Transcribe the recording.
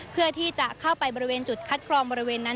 เพื่อที่จะเข้าไปบริเวณจุดคัดกรองบริเวณนั้น